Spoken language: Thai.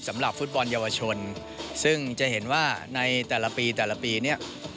สำหรับฟุตบอลเยาวชนซึ่งจะเห็นว่าในแต่ละปีแต่ละปีเนี่ย